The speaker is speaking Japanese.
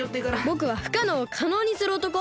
ぼくはふかのうをかのうにするおとこ。